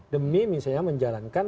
demi misalnya menjalankan